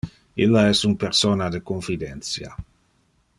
Illa es un persona de confidentia.